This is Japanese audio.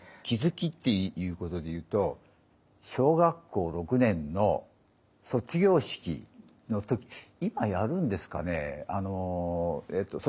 気付きっていうことでいうと小学校６年の卒業式の時今やるんですかねぇ。